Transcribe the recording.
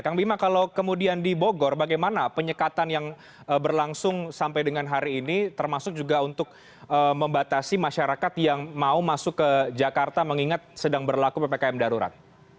kang bima kalau kemudian di bogor bagaimana penyekatan yang berlangsung sampai dengan hari ini termasuk juga untuk membatasi masyarakat yang mau masuk ke jakarta mengingat sedang berlaku ppkm darurat